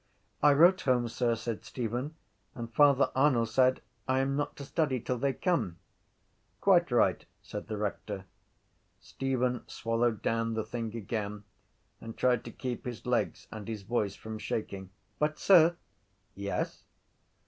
—I wrote home, sir, said Stephen, and Father Arnall said I am not to study till they come. —Quite right! said the rector. Stephen swallowed down the thing again and tried to keep his legs and his voice from shaking. —But, sir... —Yes?